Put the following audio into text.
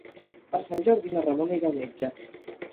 Per Sant Jordi na Ramona irà al metge.